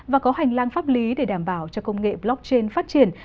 và có hành lang pháp lý để đảm bảo cho công nghệ blockchain phát triển